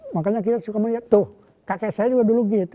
makanya kita suka melihat tuh kakek saya juga dulu gitu